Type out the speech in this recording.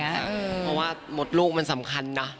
เพราะว่ามดลูกมันสำคัญนะ